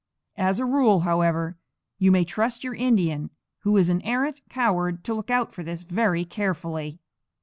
As a rule, however, you may trust your Indian, who is an arrant coward, to look out for this very carefully.